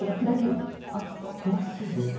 あっ詳しい。